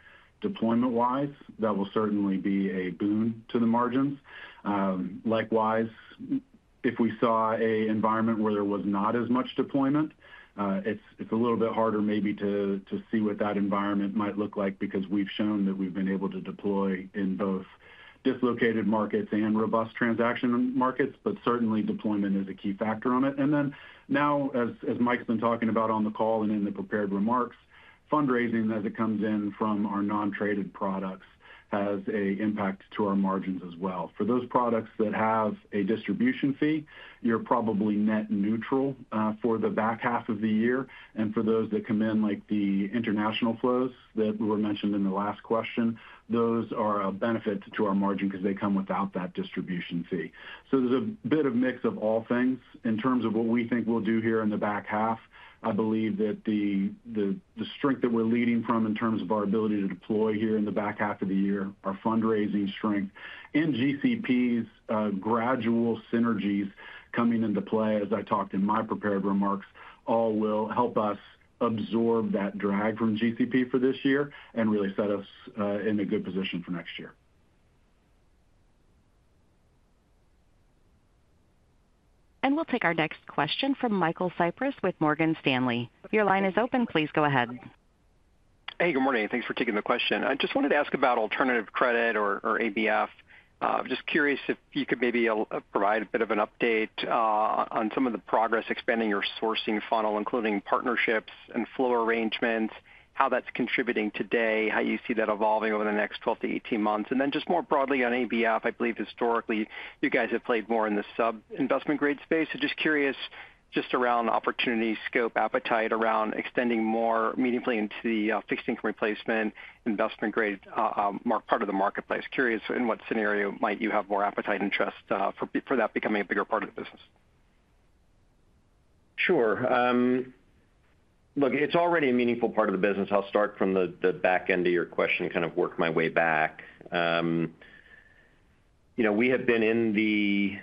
deployment wise, that will certainly be a boon to the margins. Likewise, if we saw an environment where there was not as much deployment, it's a little bit harder maybe to see what that environment might look like because we've shown that we've been able to deploy in both dislocated markets and robust transaction markets. Certainly, deployment is a key factor on it. Now, as Mike's been talking about on the call and in the prepared remarks, fundraising as it comes in from our non-traded products has an impact to our margins as well. For those products that have a distribution fee, you're probably net neutral for the back half of the year. For those that come in, like the international flows that were mentioned in the last question, those are a benefit to our margin because they come without that distribution fee. There's a bit of mix of all things in terms of what we think we'll do here in the back half. I believe that the strength that we're leading from, in terms of our ability to deploy here in the back half of the year, our fundraising strength, and GCP International's gradual synergies coming into play as I talked in my prepared remarks, all will help us absorb that drag from GCP International for this year and really set us in a good position for next year. We will take our next question from Michael Cyprys with Morgan Stanley. Your line is open. Please go ahead. Hey, good morning. Thanks for taking the question. I just wanted to ask about alternative credit or ABF. Just curious if you could maybe provide a bit of an update on some of the progress expanding your sourcing funnel, including partnerships and flow arrangements, how that's contributing today, how you see that evolving over the next 12 to 18 months, and then just more broadly on ABF. I believe historically you guys have played more in the sub-investment grade space. Curious just around opportunity, scope, appetite around extending more meaningfully into the fixed income replacement investment grade part of the marketplace. Curious, in what scenario might you have more appetite and trust for that becoming. A bigger part of the business? Sure. Look, it's already a meaningful part of the business. I'll start from the back end of your question, kind of work my way back. We have been in the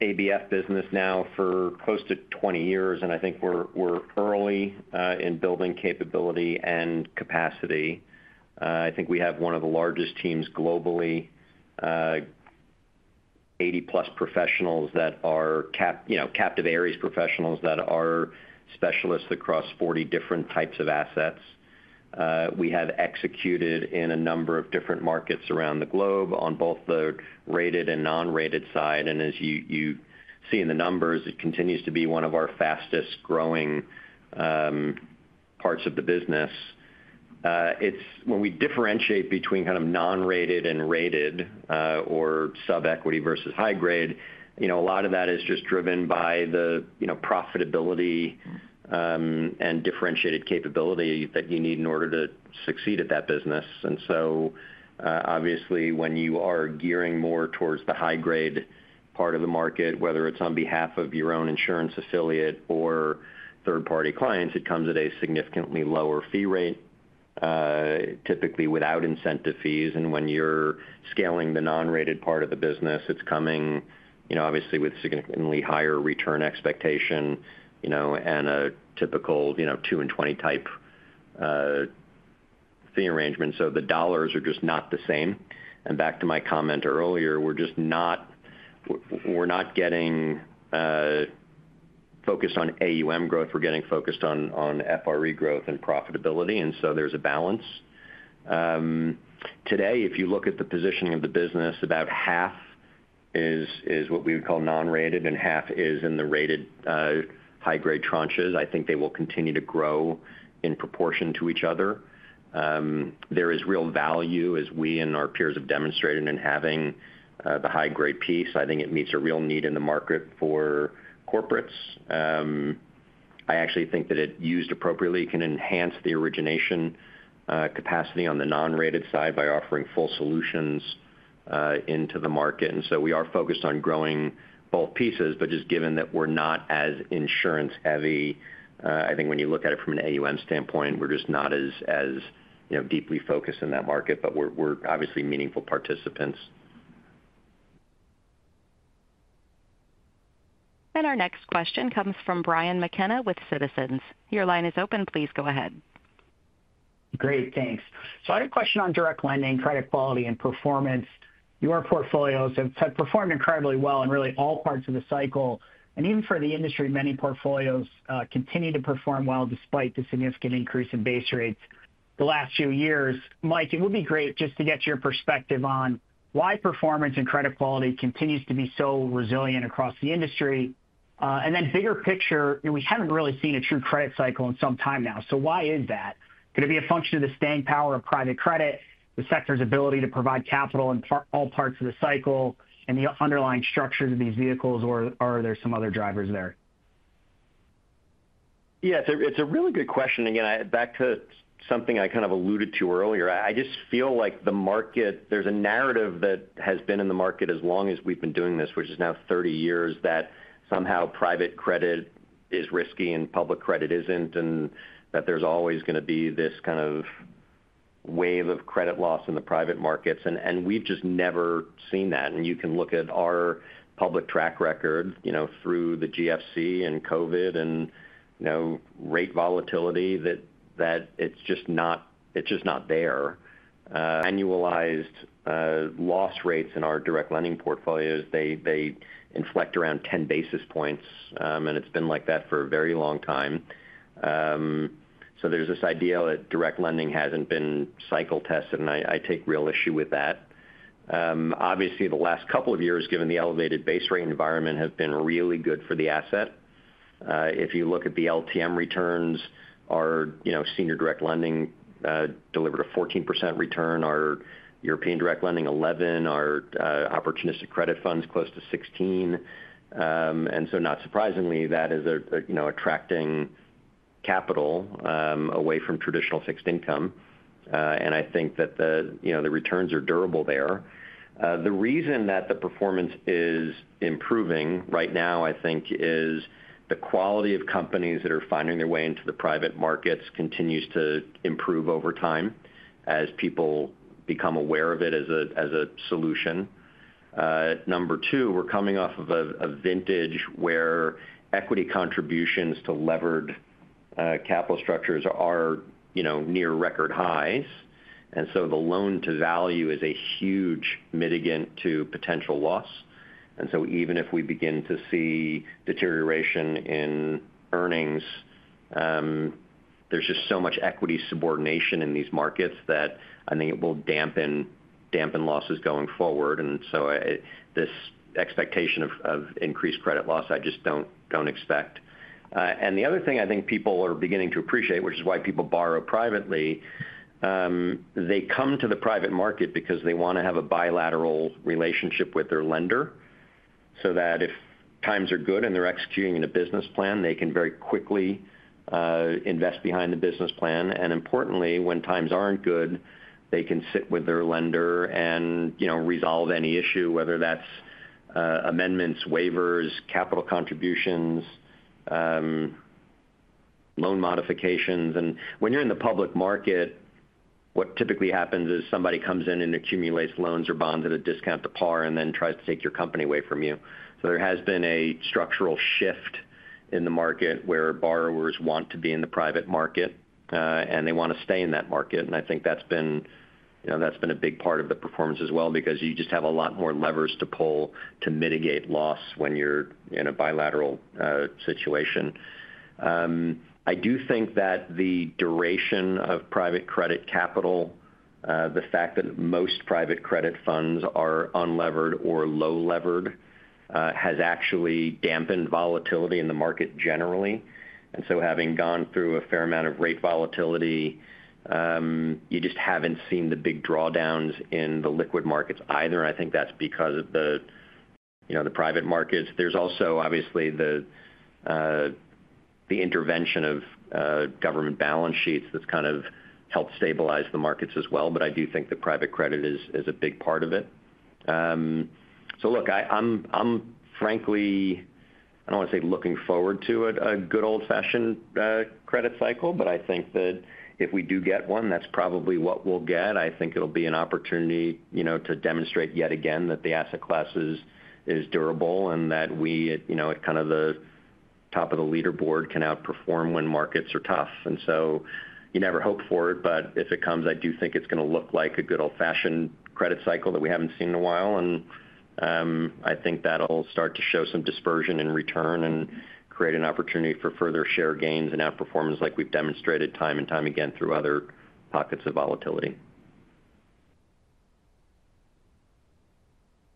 ABF business now for close to 20 years and I think we're early in building capability and capacity. I think we have one of the largest teams globally, 80 plus professionals that are, you know, captive Ares professionals that are specialists across 40 different types of assets. We have executed in a number of different markets around the globe on both the rated and non-rated side. As you see in the numbers, it continues to be one of our fastest growing parts of the business. When we differentiate between kind of non-rated and rated or sub equity versus high grade, a lot of that is just driven by the profitability and differentiated capability that you need in order to succeed at that business. Obviously, when you are gearing more towards the high grade part of the market, whether it's on behalf of your own insurance affiliate or third party clients, it comes at a significantly lower fee rate, typically without incentive fees. When you're scaling the non-rated part of the business, it's coming with significantly higher return expectation and a typical 2 and 20 type fee arrangement. The dollars are just not the same. Back to my comment earlier, we're not getting focused on AUM growth, we're getting focused on fee growth and profitability. There's a balance today. If you look at the positioning of the business, about half is what we would call non-rated and half is in the rated high grade tranches. I think they will continue to grow in proportion to each other. There is real value as we and our peers have demonstrated in having the high grade piece. I think it meets a real need in the market for corporates. I actually think that it, used appropriately, can enhance the origination capacity on the non-rated side by offering full solutions into the market. We are focused on growing both pieces. Given that we're not as insurance heavy, I think when you look at it from an AUM standpoint, we're just not as deeply focused in that market. We're obviously meaningful participants. Our next question comes from Brian McKenna with Citizens. Your line is open. Please go ahead. Great, thanks. I had a question on direct lending credit quality and performance. Your portfolios have performed incredibly well in really all parts of the cycle. Even for the industry, many portfolios continue to perform well despite the significant increase in base rates the last few years. Mike, it would be great just to get your perspective on why performance and credit quality continues to be so resilient across the industry. Bigger picture, we haven't really seen a true credit cycle in some time now. Is that going to be a function of the staying power of private credit, the sector's ability to provide capital in all parts of the cycle, and the underlying structures of these vehicles? Are there some other drivers there? Yes, it's a really good question. Back to something I alluded to earlier. I just feel like the market, there's A narrative that has been in the market as long as we've been doing this, which is now 30 years, that somehow private credit is risky and public credit isn't and that there's always going to be this kind of wave of credit loss in the private markets and we've just never seen that. You can look at our public track record, through the GFC and Covid and no rate volatility, that it's just not, it's just not there. Annualized loss rates in our direct lending portfolios inflect around 10 basis points and it's been like that for a very long time. There is this idea that direct lending hasn't been cycle tested and I take real issue with that. Obviously the last couple of years, given the elevated base rate environment, have been really good for the asset. If you look at the LTM returns, our senior direct lending delivered a 14% return, our European direct lending 11%, our opportunistic credit funds close to 16%. Not surprisingly, that is attracting capital away from traditional fixed income. I think that the returns are durable there. The reason that the performance is improving right now, I think, is the quality of companies that are finding their way into the private markets continues to improve over time as people become aware of it as a solution. Number two, we're coming off of a vintage where equity contributions to levered capital structures are near record highs, and the loan to value is a huge mitigant to potential loss. Even if we begin to see deterioration in earnings, there's just so much equity subordination in these markets that I think it will dampen losses going forward. This expectation of increased credit loss I just don't expect. The other thing I think people are beginning to appreciate, which is why people borrow privately, is they come to the private market because they want to have a bilateral relationship with their lender so that if times are good and they're executing in a business plan, they can very quickly invest behind the business plan. Importantly, when times aren't good, they can sit with their lender and resolve any issue, whether that's amendments, waivers, capital contributions, loan modifications. When you're in the public market, what typically happens is somebody comes in and accumulates loans or bonds at a discount to par and then tries to take your company away from you. There has been a structural shift in the market where borrowers want to be in the private market and they want to stay in that market. I think that's been a big part of the performance as well because you just have a lot more levers to pull to mitigate loss when you're in a bilateral situation. I do think that the duration of private credit capital, the fact that most private credit funds are unlevered or low levered, has actually dampened volatility in the market generally. Having gone through a fair amount of rate volatility, you just haven't seen the big drawdowns in the liquid markets either. I think that's because of the private markets. There's also obviously the intervention of government balance sheets that's kind of helped stabilize the markets as well. I do think the private credit is a big part of it. I'm frankly, I don't want to say looking forward to a good. Old fashioned credit cycle, I think. If we do get one, that's probably what we'll get. I think it'll be an opportunity to demonstrate yet again that the asset class is durable and that we at kind of the top of the leaderboard can outperform when markets are tough. You never hope for it, but if it comes, I do think it's going to look like a good old fashioned credit cycle that we haven't seen in a while. I think that'll start to show some dispersion in return and create an opportunity for further share gains and outperformance like we've demonstrated time and time again through other pockets of volatility.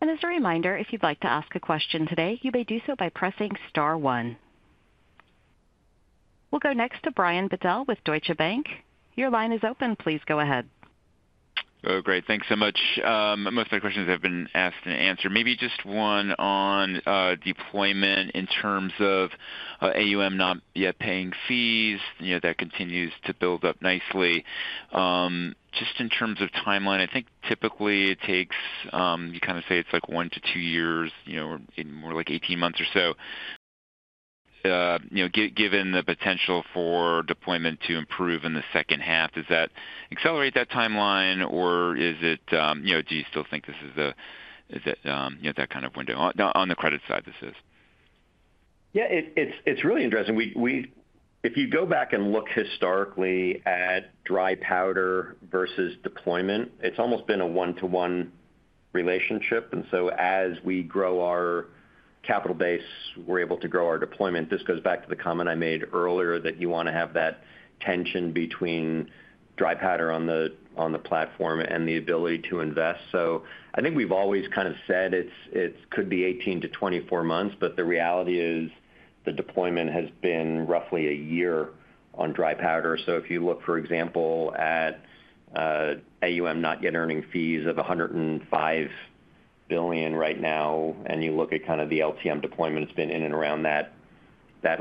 As a reminder, if you'd like to ask a question today, you may do so by pressing star one. We'll go next to Brian Biddell with Deutsche Bank. Your line is open. Please go ahead. Great, thanks so much. Most of the questions have been asked and answered. Maybe just one on deployment in terms of AUM not yet paying fees, that continues to build up nicely. Just in terms of timeline, I think typically it takes, you kind of say it's like one to two years, more like 18 months or so. Given the potential for deployment to improve in the second half, does that accelerate that timeline or is it. Do you still think this is that kind of window on the credit side? Yeah, it's really interesting. If you go back and look historically at dry powder versus deployment, it's almost been a one-to-one relationship. As we grow our capital base, we're able to grow our deployment. This goes back to the comment I made earlier that you want to have that tension between dry powder on the platform and the ability to invest. I think we've always kind of said it could be 18 to 24 months, but the reality is the deployment has been roughly a year on dry powder. If you look, for example, at AUM not yet earning fees of $105 billion right now, and you look at kind of the LTM deployment, it's been in and around that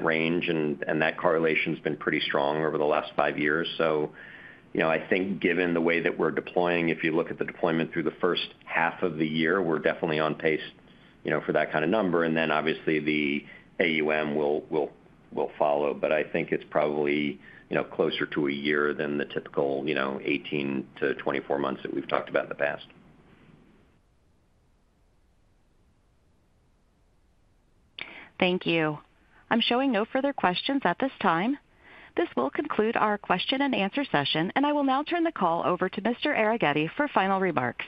range and that correlation has been pretty strong over the last five years. Given the way that we're deploying, if you look at the deployment through the first half of the year, we're definitely on pace for that kind of number. Obviously, the AUM will follow. I think it's probably closer to a year than the typical 18 to 24 months that we've talked about in the past. Thank you. I'm showing no further questions at this time. This will conclude our Q&A session and I will now turn the call over to Mr. Arougheti for final remarks.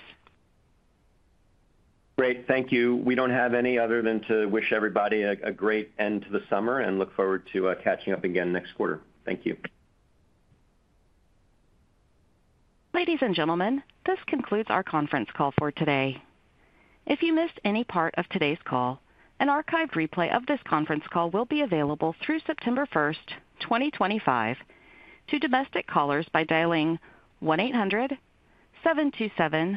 Great. Thank you. We don't have any other than to wish everybody a great end to the summer and look forward to catching up again next quarter. Thank you. Ladies and gentlemen, this concludes our conference call for today. If you missed any part of today's call, an archived replay of this conference call will be available through September 1st, 2025, to domestic callers by dialing 1-800-727-1367,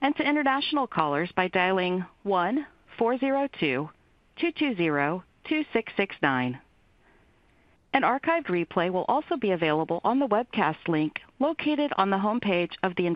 and to international callers by dialing 1-402-220-2669. An archived replay will also be available on the webcast link located on the home page of the information.